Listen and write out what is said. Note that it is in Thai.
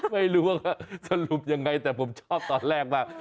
ไม่รู้ว่าสรุปยังไงแต่ผมชอบตอนแรกมาก